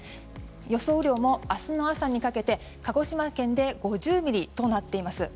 予想雨量も明日の朝にかけて鹿児島県で５０ミリとなっています。